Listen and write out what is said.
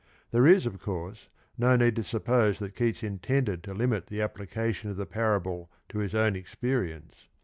There is, of course, no need to suppose that Keats intended to limit the application of the parable to his own experience.